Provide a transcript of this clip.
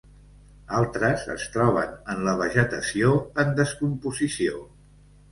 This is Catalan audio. Altres es troben en la vegetació en descomposició.